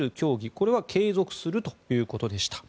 これは継続するということでした。